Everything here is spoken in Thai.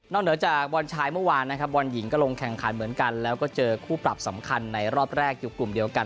เหนือจากบอลชายเมื่อวานนะครับบอลหญิงก็ลงแข่งขันเหมือนกันแล้วก็เจอคู่ปรับสำคัญในรอบแรกอยู่กลุ่มเดียวกัน